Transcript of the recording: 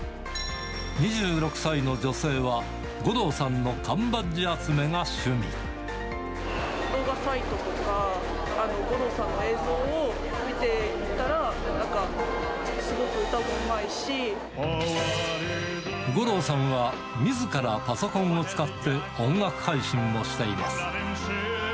２６歳の女性は、動画サイトとか五郎さんの映像を見ていたら、なんか、五郎さんは、みずからパソコンを使って音楽配信もしています。